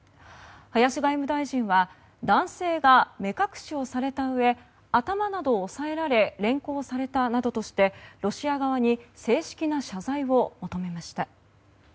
林外務大臣は男性が目隠しをされたうえ頭などを押さえられ連行されたなどとしてロシア側に正式な謝罪を求めました。